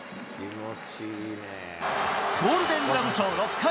ゴールデングラブ賞６回。